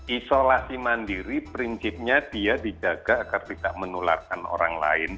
isolasi mandiri prinsipnya dia dijaga agar tidak menularkan orang lain